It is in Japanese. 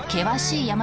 はい！